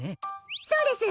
そうです！